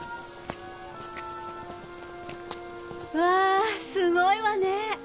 わぁすごいわね。